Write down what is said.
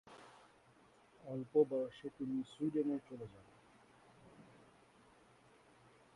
অল্প বয়সে তিনি সুইডেনে চলে যান।